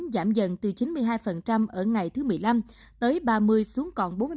giảm dần từ chín mươi hai ở ngày thứ một mươi năm tới ba mươi xuống còn bốn mươi bảy sau bốn đến sáu tháng